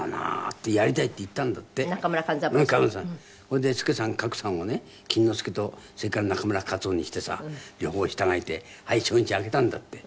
それで助さん格さんをね錦之介とそれから中村嘉葎雄にしてさ両方従えてはい初日明けたんだって。